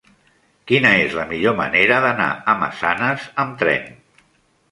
Quina és la millor manera d'anar a Massanes amb tren?